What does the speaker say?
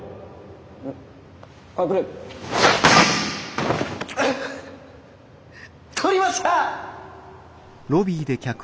うっ捕りました！